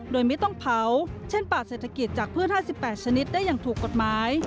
โดยไม่ต้องเผาเช่นป่าเศรษฐกิจจากพืช๕๘ชนิดได้อย่างถูกกฎหมาย